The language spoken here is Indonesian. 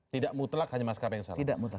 tidak mutlak hanya mas kp yang salah tidak mutlak